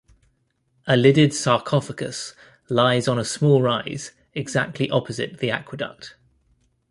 A lidded sarcophagus lies on a small rise exactly opposite the aqueduct.